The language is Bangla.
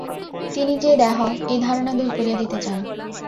তিনি যে দেহ, এই ধারণা দূর করিয়া দিতে চান।